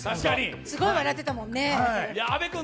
すごい笑ってたもんね。